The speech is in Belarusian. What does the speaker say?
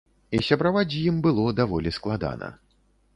І сябраваць з ім было даволі складана.